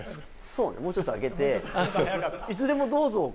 そうねもうちょっと空けてああ